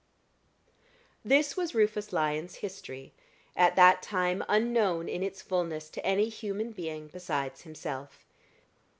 This was Rufus Lyon's history, at that time unknown in its fullness to any human being besides himself.